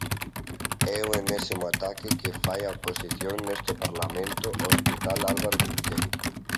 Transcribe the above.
É o enésimo ataque que fai a oposición neste Parlamento ao hospital Álvaro Cunqueiro.